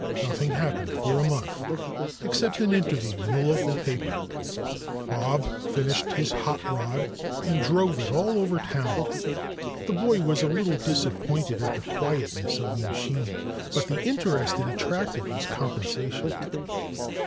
Nothing happened for a month except an interview in the local paper. Bob finished his hot rod and drove it all over town. The boy was a little disappointed at the quietness of the machine, but the interest it attracted was compensation.